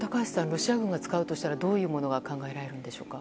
ロシア軍が使うとしたらどういうものが考えられるんでしょうか。